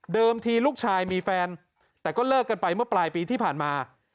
ทีลูกชายมีแฟนแต่ก็เลิกกันไปเมื่อปลายปีที่ผ่านมา